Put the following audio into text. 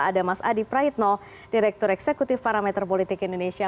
ada mas adi praitno direktur eksekutif parameter politik indonesia